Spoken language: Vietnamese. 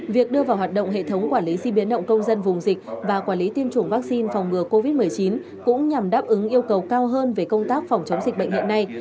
việc đưa vào hoạt động hệ thống quản lý di biến động công dân vùng dịch và quản lý tiêm chủng vaccine phòng ngừa covid một mươi chín cũng nhằm đáp ứng yêu cầu cao hơn về công tác phòng chống dịch bệnh hiện nay